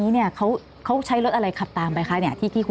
แล้วก็คุยกับคุณทวีใช่ไหมอ่าคุณสารวุฒินะไม่ใช่ครับ